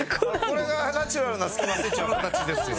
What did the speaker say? これがナチュラルなスキマスイッチの形ですよね？